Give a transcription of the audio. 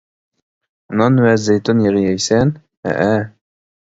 -نان ۋە زەيتۇن يېغى يەيسەن؟ -ھەئە.